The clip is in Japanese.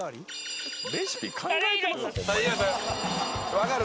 分かる？